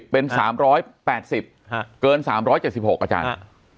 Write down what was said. เป็น๓๘๐เกิน๓๗๖อาจารย์